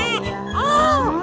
oh si barong